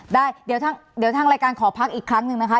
ได้เดี๋ยวทางรายการขอพักอีกครั้งหนึ่งนะคะ